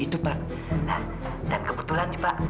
itung mau temen laki dia